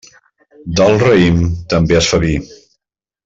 Del raïm, també es fa vi.